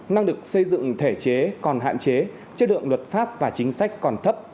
năng lực xây dựng thể chế còn hạn chế chất lượng luật pháp và chính sách còn thấp